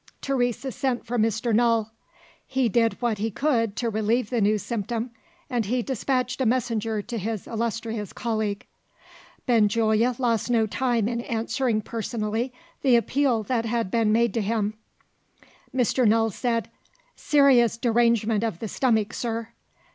Teresa sent for Mr. Null. He did what he could to relieve the new symptom; and he despatched a messenger to his illustrious colleague. Benjulia lost no time in answering personally the appeal that had been made to him. Mr. Null said, "Serious derangement of the stomach, sir."